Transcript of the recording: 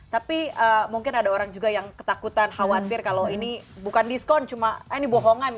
tapi mungkin ada orang juga yang ketakutan khawatir kalau ini bukan diskon cuma eh ini bohongan